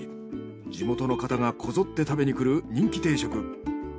地元の方がこぞって食べにくる人気定食。